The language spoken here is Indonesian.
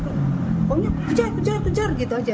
pokoknya kejar kejar kejar gitu aja